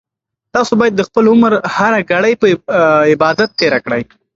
تاسو باید د خپل عمر هره ګړۍ په عبادت تېره کړئ.